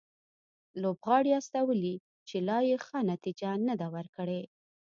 لوبغاړي استولي چې لا یې ښه نتیجه نه ده ورکړې